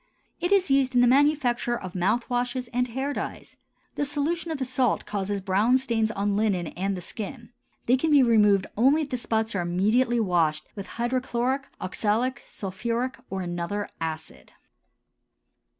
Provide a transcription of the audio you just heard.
It is used in the manufacture of mouth washes and hair dyes. The solution of the salt causes brown stains on linen and the skin; they can be removed only if the spots are immediately washed with hydrochloric, oxalic, sulphuric, or another acid.